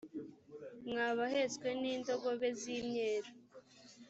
mwa bahetswe n indogobe z imyeru